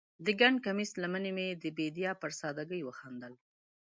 د ګنډ کمیس لمنې مې د بیدیا پر سادګۍ وخندل